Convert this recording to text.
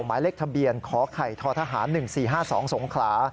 หมายเลขทะเบียนขอไข่ททหาร๑๔๕๒สงขลา